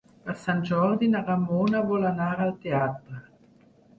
Per Sant Jordi na Ramona vol anar al teatre.